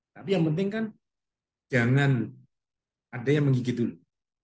tapi yang penting kan jangan ada yang menggigit dulu